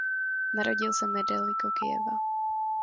Narodil se nedaleko Kyjeva.